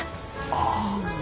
ああ。